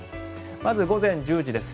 まず午前１０時です。